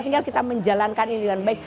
tinggal kita menjalankan ini dengan baik